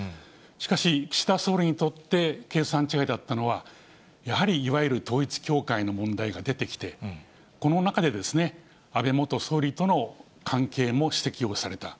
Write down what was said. しかし、岸田総理にとって計算違いだったのは、やはりいわゆる統一教会の問題が出てきて、この中で安倍元総理との関係も指摘をされた。